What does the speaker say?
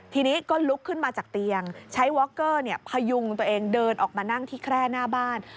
ทีนี้ก็ลุกขึ้นมาจากเตียงใช้วอคเกอร์พยุงตัวเองเดินออกมานั่งที่แคร่หน้าบ้าน